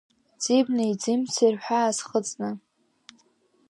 Ӡи-бнеи, ӡи-мцеи рҳәаа схыҵны…